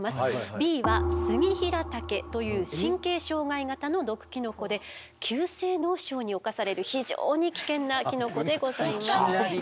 Ｂはスギヒラタケという神経障害型の毒キノコで急性脳症に侵される非常に危険なキノコでございます。